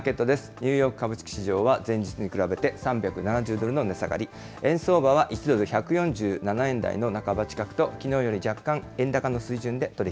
ニューヨーク株式市場は前日に比べて３７０ドルの値下がり、円相場は１ドル１４７円台の半ば近くと、きのうより若干、円高の水準